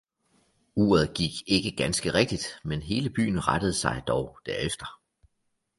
uret gik ikke ganske rigtigt, men hele byen rettede sig dog derefter.